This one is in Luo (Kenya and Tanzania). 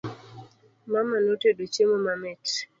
Mama notedo chiemo mamit